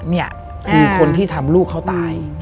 นี่คือคนที่ทำลูกเขาตาย